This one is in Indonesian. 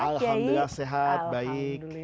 alhamdulillah sehat baik